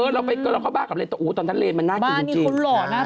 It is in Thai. เราเข้าบ้ากับเรนแต่ตอนนั้นเรนมันน่าจริง